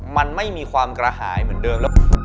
มีความกระหายเหมือนเดิม